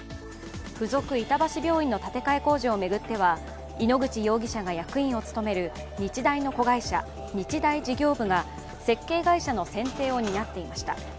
附属板橋病院の建て替え工事を巡っては井ノ口容疑者が役員を務める日大の子会社、日大事業部が設計会社の選定を担っていました。